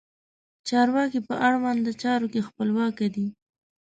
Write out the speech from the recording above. چارواکي په اړونده چارو کې خپلواک دي.